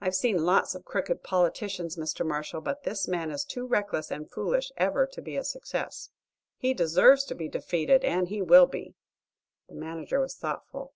I've seen lots of crooked politicians, Mr. Marshall, but this man is too reckless and foolish ever to be a success. He deserves to be defeated and he will be." The manager was thoughtful.